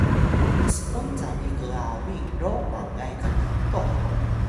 msqun cami kgabi ro mangay qnituh